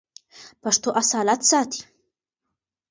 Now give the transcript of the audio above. پښتو اصالت ساتي.